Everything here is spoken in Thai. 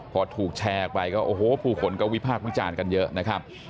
พอถูกแชร์ไปก็ว่าพูดผลก็วิภาพฟังจากกันเยอะครับ